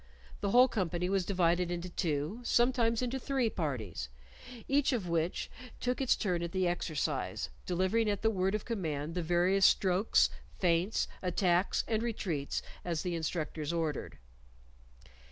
The whole company was divided into two, sometimes into three parties, each of which took its turn at the exercise, delivering at the word of command the various strokes, feints, attacks, and retreats as the instructors ordered.